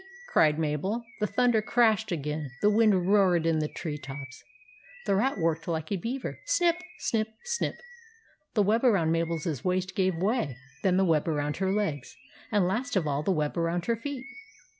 cried Mabel. The thunder crashed again. The wind roared in the tree tops. The Rat worked like a beaver — snip ! snip ! snip ! The web around Mabel's waist gave way, then the web around her legs, and last of all the web around her feet.